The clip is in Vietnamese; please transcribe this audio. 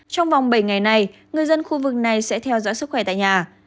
trong vòng bảy ngày này người dân khu vực này sẽ theo dõi sức khỏe tại nhà